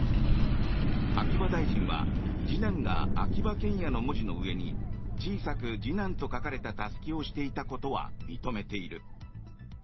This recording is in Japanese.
秋葉大臣は次男が秋葉賢也の文字の上に小さく次男と書かれたたすきをしていたことは認めている。